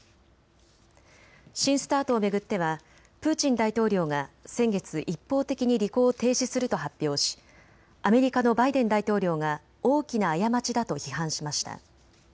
新ＳＴＡＲＴを巡ってはプーチン大統領が先月、一方的に履行を停止すると発表しアメリカのバイデン大統領が大きな過ちだと批判しました。